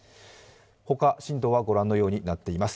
他、震度はご覧のようになっています。